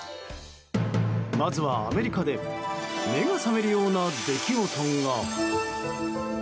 まずはアメリカで目の覚めるような出来事が。